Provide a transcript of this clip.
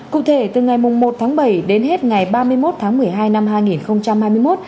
cụ thể từ ngày một tháng bảy đến hết ngày ba mươi một tháng một mươi hai năm hai nghìn hai mươi một